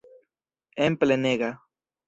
En plenega.